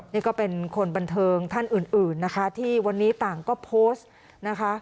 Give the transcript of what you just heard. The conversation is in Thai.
นี่ก็เป็นคนบันเทิงท่านอื่นนะคะที่วันนี้ต่างก็โพสต์นะคะ